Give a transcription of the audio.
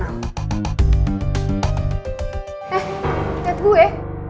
eh lihat gue